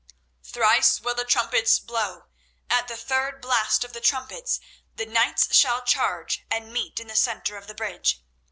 "Thrice will the trumpets blow. At the third blast of the trumpets the knights shall charge and meet in the centre of the bridge.